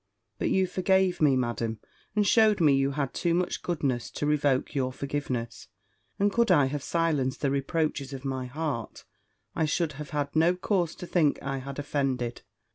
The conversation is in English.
But you forgave me. Madam, and shewed me you had too much goodness to revoke your forgiveness; and could I have silenced the reproaches of my heart, I should have had no cause to think I had offended.